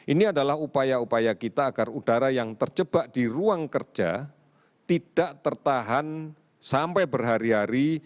ini adalah upaya upaya kita agar udara yang terjebak di ruang kerja tidak tertahan sampai berhari hari